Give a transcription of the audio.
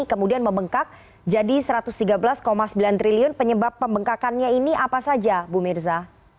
kemudian membengkak jadi satu ratus tiga belas sembilan triliun penyebab pembengkakannya ini apa saja bu mirza